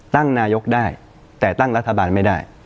ตั้งนายกได้แต่ตั้งรัฐบาลไม่ได้